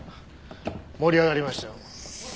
盛り上がりましたよ。